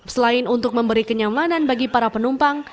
selain untuk memberi kenyamanan bagi para penumpang